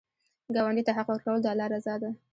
ګاونډي ته حق ورکول، د الله رضا ده